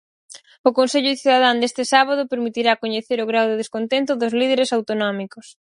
O Consello Cidadán deste sábado permitirá coñecer o grao de descontento dos líderes autonómicos.